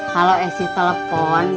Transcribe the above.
kalau esi telepon